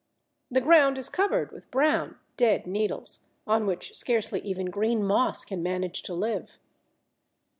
The ground is covered with brown, dead needles, on which scarcely even green moss can manage to live.